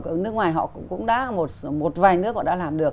ở nước ngoài họ cũng đã một vài nước họ đã làm được